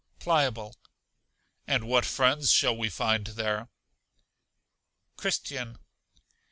Pliable. And what friends shall we find there? Christian.